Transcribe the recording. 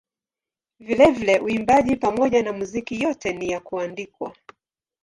Vilevile uimbaji pamoja na muziki yote ni ya kuandikwa.